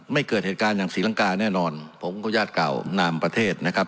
เกิดเหตุการณ์อย่างศรีลังกาแน่นอนผมขออนุญาตกล่าวนามประเทศนะครับ